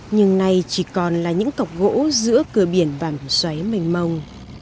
nhưng nay chỉ còn là những cọc gỗ giữa cửa biển vàng xoáy mềm mông